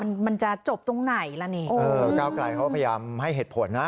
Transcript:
มันมันจะจบตรงไหนล่ะนี่เออก้าวไกลเขาพยายามให้เหตุผลนะ